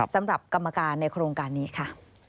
สำหรับกรรมการในโครงการนี้ค่ะ